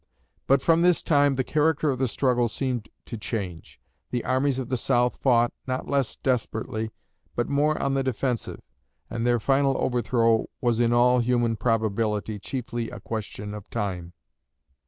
But from this time the character of the struggle seemed to change. The armies of the South fought, not less desperately, but more on the defensive; and their final overthrow was in all human probability chiefly a question of time.